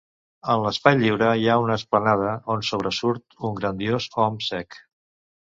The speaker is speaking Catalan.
En l'espai lliure hi ha una esplanada on sobresurt un grandiós om sec.